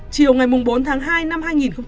chiều ngày bốn tháng hai năm hai nghìn một mươi chín